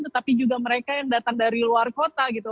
tetapi juga mereka yang datang dari luar kota gitu